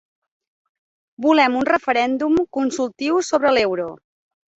Volem un referèndum consultiu sobre l’euro.